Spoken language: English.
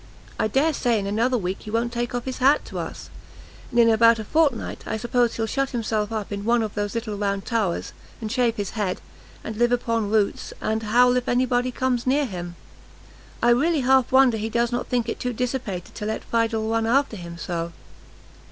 I dare say in another week he won't take off his hat to us; and, in about a fortnight, I suppose he'll shut himself up in one of those little round towers, and shave his head, and live upon roots, and howl if any body comes near him. I really half wonder he does not think it too dissipated to let Fidel run after him so.